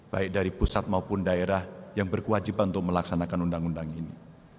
baik dari pusat maupun daerah yang berkewajiban untuk melaksanakan undang undang ini